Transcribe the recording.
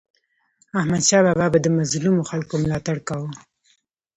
احمدشاه بابا به د مظلومو خلکو ملاتړ کاوه.